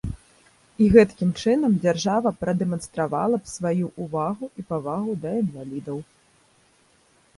І гэткім чынам дзяржава прадэманстравала б сваю ўвагу і павагу да інвалідаў.